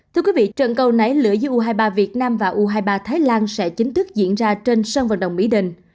thưa quý vị trận cầu né lửa giữa u hai mươi ba việt nam và u hai mươi ba thái lan sẽ chính thức diễn ra trên sân vận động mỹ đình